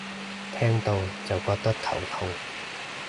聽到就覺得頭痛